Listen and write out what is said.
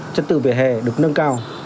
chân tự vỉa hè được nâng cao